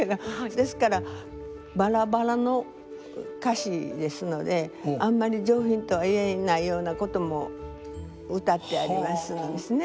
ですからばらばらの歌詞ですのであんまり上品とは言えないようなことも歌ってありますのですね。